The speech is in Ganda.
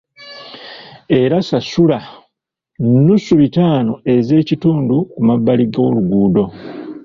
Era asasula nnusu bitaano ez'ekitundu ku mabbali g'oluguudo.